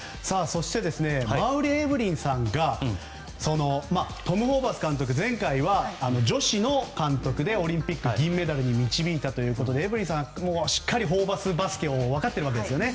馬瓜エブリンさんがトム・ホーバス監督、前回は女子の監督でオリンピック銀メダルに導いたということでエブリンさん、すっかりホーバスバスケを分かっているわけですね。